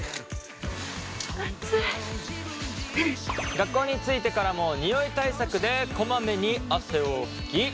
学校に着いてからもニオイ対策でこまめに汗を拭き